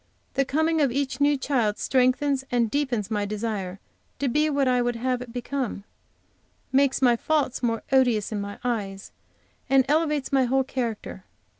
The coming of each new child strengthens and deepens my desire to be what I would have it become; makes my faults more odious in my eyes, and elevates my whole character.